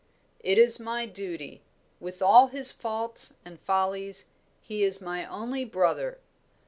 "It is my duty. With all his faults and follies, he is my only brother.